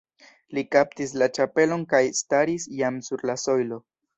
Li kaptis la ĉapelon kaj staris jam sur la sojlo.